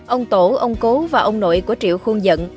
ông tổ ông cố và ông nội của triệu khuôn dẫn